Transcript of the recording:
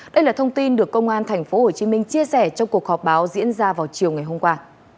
đây là thông tin được công an tp hcm chia sẻ trong cuộc họp báo diễn ra vào chiều ngày hôm qua